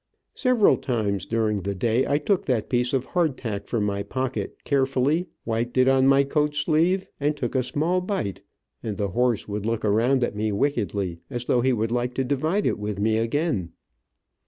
Several times during the day I took that piece of hard tack from my pocket carefully, wiped it on my coat sleeve, and took a small bite, and the horse would look around at me wickedly, as though he would like to divide it with me again.